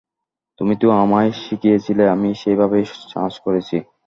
তুমিই তো আমায় শিখিয়েছিলে, আমি সেভাবেই সার্চ করেছি।